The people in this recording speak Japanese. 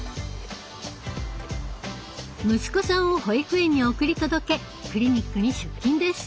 息子さんを保育園に送り届けクリニックに出勤です。